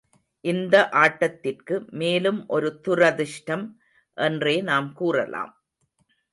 இந்த ஆட்டத்திற்கு மேலும் ஒரு துரதிர்ஷ்டம் என்றே நாம் கூறலாம்.